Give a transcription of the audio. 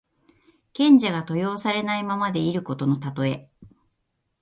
賢者が登用されないままでいることのたとえ。